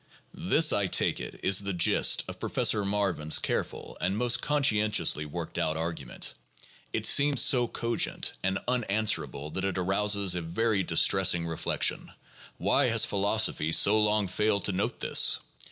This, I take it, is the gist of Professor Marvin's careful and most conscientiously worked out argument. It seems so cogent and un answerable that it arouses a very distressing reflection, why has phi losophy so long failed to note this